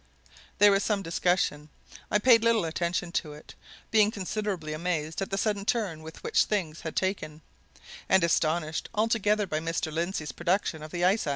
There was some discussion. I paid little attention to it, being considerably amazed at the sudden turn which things had taken, and astonished altogether by Mr. Lindsey's production of the ice ax.